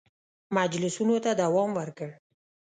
مجلسونو ته دوام ورکړ.